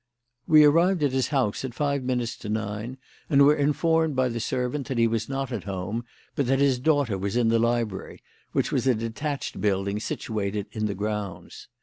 We arrived at his house at five minutes to nine, and were informed by the servant that he was not at home, but that his daughter was in the library, which was a detached building situated in the grounds.